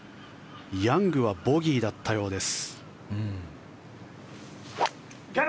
ヤングはボギーだったようです。